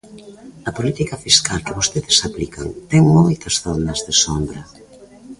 A política fiscal que vostedes aplican ten moitas zonas de sombra.